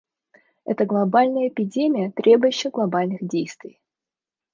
Это глобальная эпидемия, требующая глобальных действий.